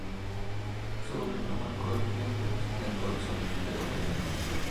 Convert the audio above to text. Su gobierno marcó el fin del esplendor zapoteco.